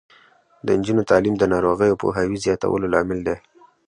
د نجونو تعلیم د ناروغیو پوهاوي زیاتولو لامل دی.